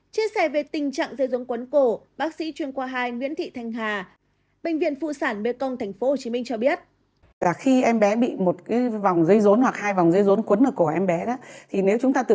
chia sẻ về tình trạng dây rốn cuốn cổ bác sĩ chuyên qua hai nguyễn thị thanh hà bệnh viện phụ sản bê công tp hcm cho biết